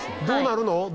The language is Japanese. どうなるの？